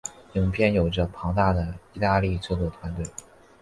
影片有着庞大的意大利制作团队。